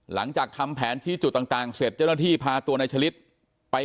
หลังจากทำแผนชี้จุดต่างเสร็จเจ้าหน้าที่พาตัวนายฉลิดไป